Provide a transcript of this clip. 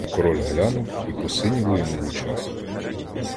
Король глянув і посиніло йому в очах.